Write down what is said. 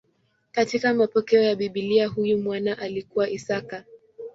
Katika mapokeo ya Biblia huyu mwana alikuwa Isaka.